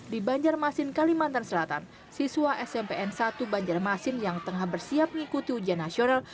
di banjarmasin kalimantan selatan siswa smpn satu banjarmasin yang tengah bersiap mengikuti ujian nasional